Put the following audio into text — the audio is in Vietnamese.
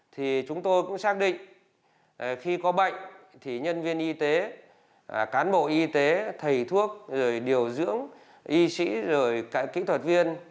thì chúng tôi cũng xác định khi có bệnh thì nhân viên y tế cán bộ y tế thầy thuốc rồi điều dưỡng y sĩ rồi kỹ thuật viên